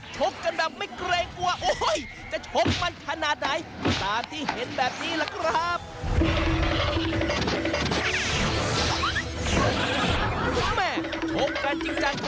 ชกกันแบบไม่เกรงกลัวโอ๊ยจะชกมันขนาดไหนตามที่เห็นแบบนี้ล่ะครับ